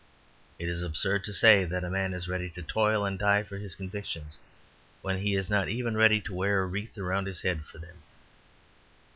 It is absurd to say that a man is ready to toil and die for his convictions when he is not even ready to wear a wreath round his head for them.